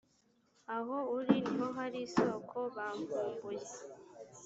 aho uri ni ho hari isoko bamvumbuye